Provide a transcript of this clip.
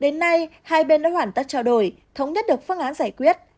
đến nay hai bên đã hoàn tất trao đổi thống nhất được phương án giải quyết